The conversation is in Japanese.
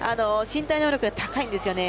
身体能力が高いんですよね。